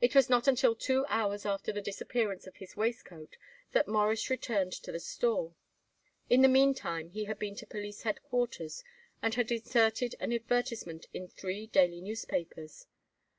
It was not until two hours after the disappearance of his waistcoat that Morris returned to the store. In the meantime he had been to police headquarters and had inserted an advertisement in three daily newspapers.